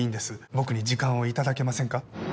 僕に時間を頂けませんか。